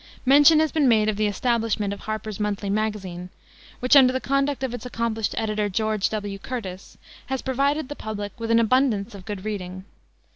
Mention has been made of the establishment of Harper's Monthly Magazine, which, under the conduct of its accomplished editor, George W. Curtis, has provided the public with an abundance of good reading.